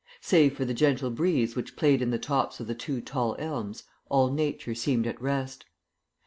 Save for the gentle breeze which played in the tops of the two tall elms all Nature seemed at rest.